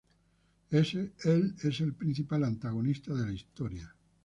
Él es el principal antagonista de la historia.